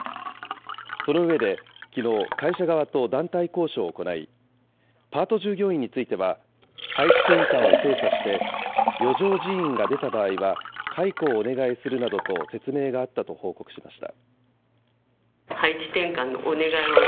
その上で、きのう、会社側と団体交渉を行い、パート従業員については、配置転換を精査して、余剰人員が出た場合は解雇をお願いするなどと説明があったと報告しました。